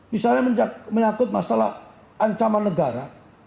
misalnya menyangkut masalah ancaman negara